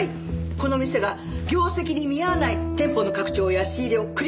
この店が業績に見合わない店舗の拡張や仕入れを繰り返しているようです。